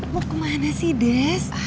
mau kemana sih des